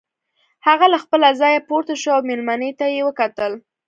هغه له خپله ځايه پورته شو او مېلمنې ته يې وکتل.